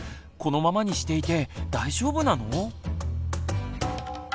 このままにしていて大丈夫なの？